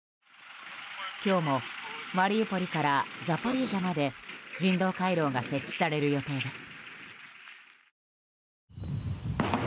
今日もマリウポリからザポリージャまで人道回廊が設置される予定です。